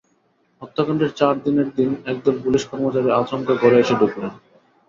হত্যাকাণ্ডের চারদিনের দিন একদল পুলিশ কর্মচারী আচমকা ঘরে এসে ঢুকলেন।